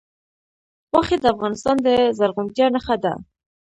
غوښې د افغانستان د زرغونتیا نښه ده.